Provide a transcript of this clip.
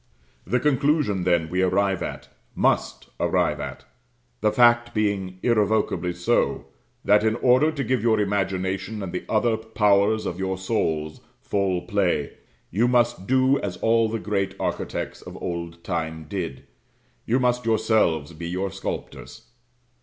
This conclusion, then, we arrive at, must arrive at; the fact being irrevocably so: that in order to give your imagination and the other powers of your souls full play, you must do as all the great architects of old time did you must yourselves be your sculptors.